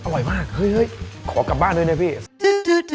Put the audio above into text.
อร่อยมากเฮ้ยขอกลับบ้านด้วยนะพี่